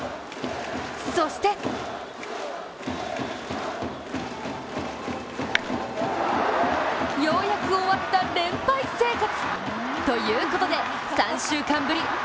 そしてようやく終わった連敗生活。